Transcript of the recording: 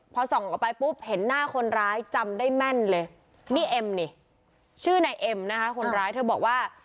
พอส่องออกไปปุ๊บเห็นหน้าคนร้ายจำได้แม่นเลยนี่เอ็มนี่ชื่อนายเอ็มนะคะคนร้ายเธอบอกว่า